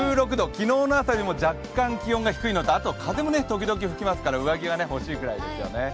昨日の朝よりも若干冷えていてあと風も時々吹きますから、上着が欲しいぐらいですよね。